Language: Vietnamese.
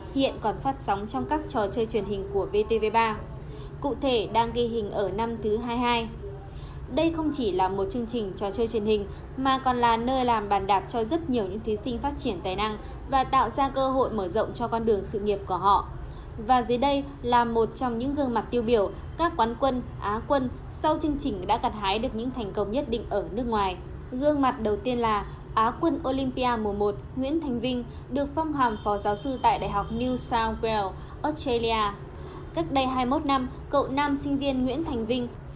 hiện còn phát sóng trong các trò chơi truyền hình của vtv ba